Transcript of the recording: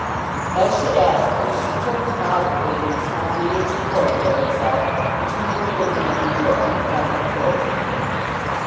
As she asked this she took from out her bosom a small miniature portrait of himself which he had given her in New York, and held it towards him.